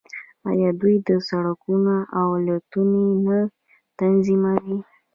آیا دوی سړکونه او الوتنې نه تنظیموي؟